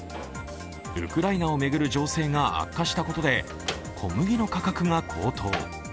ウクライナを巡る情勢が悪化したことで小麦の価格が高騰。